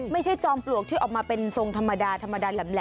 จอมปลวกที่ออกมาเป็นทรงธรรมดาธรรมดาแหลม